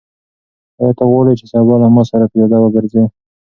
آیا ته غواړې چې سبا له ما سره پیاده وګرځې؟